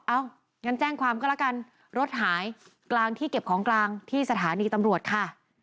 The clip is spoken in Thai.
งั้นแจ้งความก็แล้วกันรถหายกลางที่เก็บของกลางที่สถานีตำรวจค่ะ